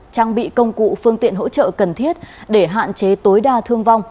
trang bị công cụ phương tiện hỗ trợ cần thiết để hạn chế tối đa thương vong